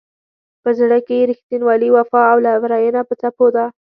په زړه کې یې رښتینولي، وفا او لورینه په څپو ده.